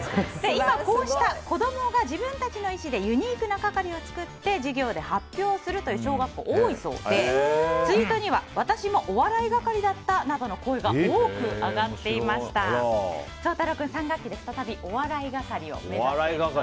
今こうした子供が自分たちの意思でユニークな係を作って授業で発表するという小学校が多いそうでツイートには私もお笑い係だったなどの声が多く上がっていました。